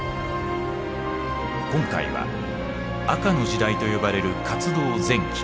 今回は「赤の時代」と呼ばれる活動前期。